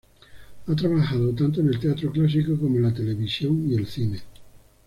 Ha trabajado tanto en el teatro clásico como en la televisión y el cine.